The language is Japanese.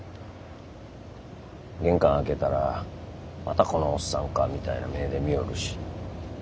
玄関開けたら「またこのおっさんか」みたいな目で見よるし。